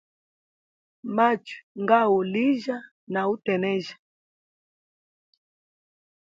Machui nga u uhulijya na utenejya.